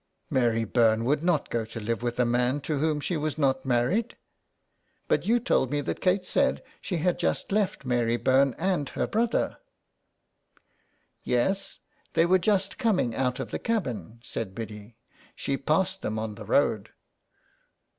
*' Mary Byrne would not go to live with a man to whom she was not married. But you told me that Kate said she had just left Mary Byrne and her brother." 54 SOME PARISHIONERS. " Yes, they were just coming out of the cabin," said Biddy. '' She passed them on the road."